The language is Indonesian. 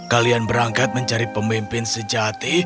kalian berangkat mencari pemimpin sejati